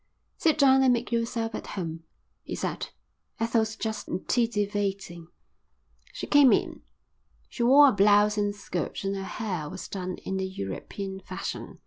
"Sit down and make yerself at home," he said. "Ethel's just titivating." She came in. She wore a blouse and skirt and her hair was done in the European fashion.